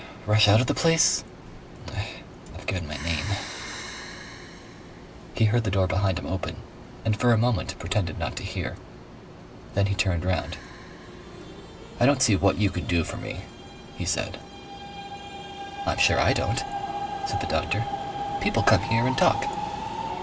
"Rush out of the place?... "I've given my name."... He heard the door behind him open and for a moment pretended not to hear. Then he turned round. "I don't see what you can do for me," he said. "I'm sure I don't," said the doctor. "People come here and talk."